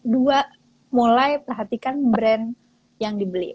dua mulai perhatikan brand yang dibeli